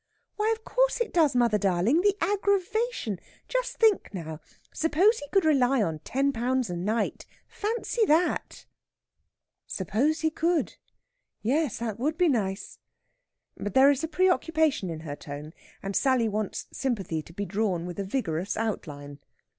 "Why, of course it does, mother darling. The aggravation! Just think now! Suppose he could rely on ten pounds a night, fancy that!" "Suppose he could!... Yes, that would be nice." But there is a preoccupation in her tone, and Sally wants sympathy to be drawn with a vigorous outline.